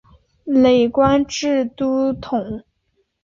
累官至都统。